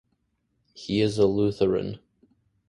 He is a Lutheran.